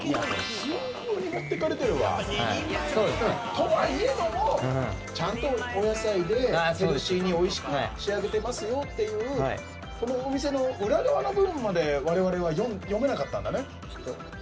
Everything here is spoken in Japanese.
とはいえどもちゃんとお野菜でヘルシーにおいしく仕上げてますよっていうこのお店の裏側の部分までわれわれは読めなかったんだね。